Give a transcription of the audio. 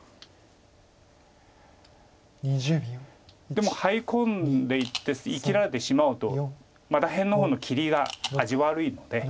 でもハイ込んでいって生きられてしまうとまた辺の方の切りが味悪いので。